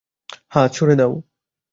হ্যাঁ, ছুড়ে দাও।